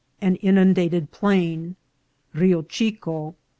— An inundated Plain.— Rio Chico.